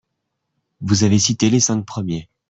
Vous avez cité les cinq premiers